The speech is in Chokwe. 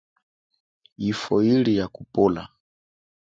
Yifwo ili ya kupola.